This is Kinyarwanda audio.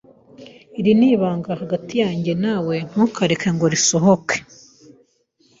Iri ni ibanga hagati yawe nanjye, ntukareke ngo risohoke.